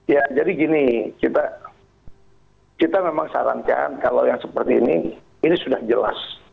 ya jadi gini kita memang sarankan kalau yang seperti ini ini sudah jelas